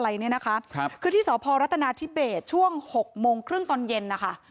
สตเรื่องของหลักฐานเท็จอะไรเนี้ยนะคะครับคือที่สพรัฐนาทิเบสช่วงหกโมงครึ่งตอนเย็นนะคะ